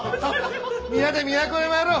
皆で都へ参ろう。